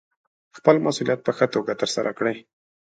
خپل مسوولیت په ښه توګه ترسره کړئ.